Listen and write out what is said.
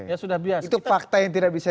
ya sudah biasa itu fakta yang tidak bisa